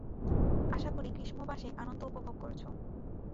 আশাকরি গ্রীষ্মাবাসে আনন্দ উপভোগ করছ।